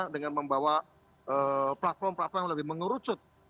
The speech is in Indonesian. dengan membawa platform platform yang lebih mengerucut